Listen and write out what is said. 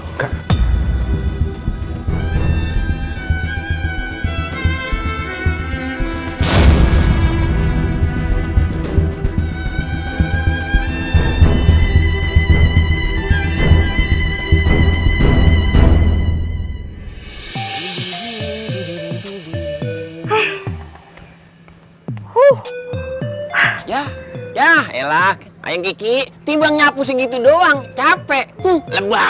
hai ah uh ah ya ya elak ayo kiki timbang nyapu segitu doang capek tuh